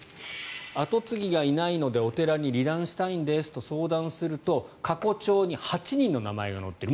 跡継ぎがいないのでお寺に離檀したいんですと相談すると過去帳に８人の名前が載っている。